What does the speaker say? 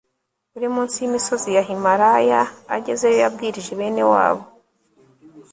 uri munsi y imisozi ya himalaya agezeyo yabwirije bene wabo